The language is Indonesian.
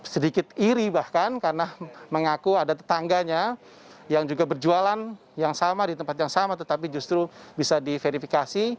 sedikit iri bahkan karena mengaku ada tetangganya yang juga berjualan yang sama di tempat yang sama tetapi justru bisa diverifikasi